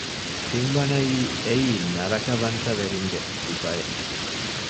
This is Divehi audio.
ތިންވަނައީ އެއީ ނަރަކަވަންތަވެރިންގެ ސިފައެއް